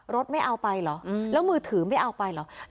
ไม่เอาไปเหรอแล้วมือถือไม่เอาไปเหรอ